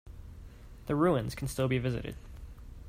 The ruins can still be visited.